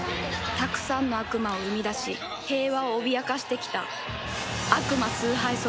たくさんの悪魔を生み出し平和を脅かしてきた